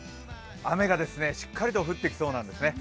雨がしっかりと降ってきそうなんですよね。